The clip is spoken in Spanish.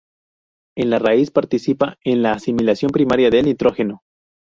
En la raíz participa en la asimilación primaria del nitrógeno.